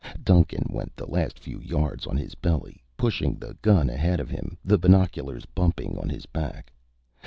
Duncan went the last few yards on his belly, pushing the gun ahead of him, the binoculars bumping on his back.